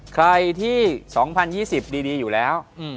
ใครที่๒๐๒๐ดีอยู่แล้ว